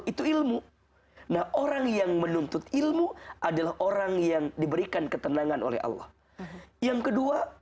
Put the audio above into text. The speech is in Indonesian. itu ilmu nah orang yang menuntut ilmu adalah orang yang diberikan ketenangan oleh allah yang kedua